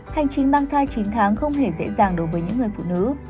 hành trình mang thai chín tháng không hề dễ dàng đối với những người phụ nữ